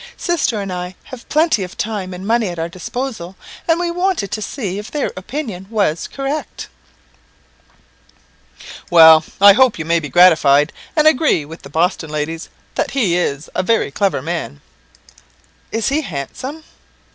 Sister and I have plenty of time and money at our disposal, and we wanted to see if their opinion was correct." "Well, I hope you may be gratified, and agree with the Boston ladies that he is a very clever man." "Is he handsome?"